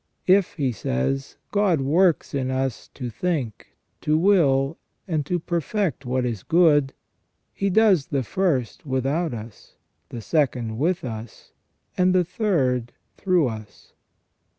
" If," he says, " God works in us to think, to will, and to perfect what is good. He does the first without us, the second with us, and the third through us.